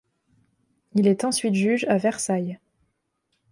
Il est ensuite juge à Versailles.